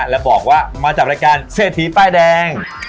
แล้วบอกว่ามาจากรายการเศรษฐีป้ายแดง